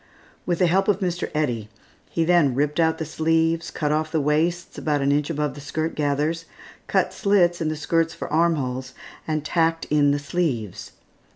With the help of Mr. Eddy, he then ripped out the sleeves, cut off the waists about an inch above the skirt gathers, cut slits in the skirts for arm holes, and tacked in the sleeves.